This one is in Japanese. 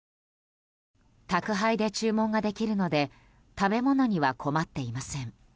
宅配で注文ができるので食べ物には困っていません。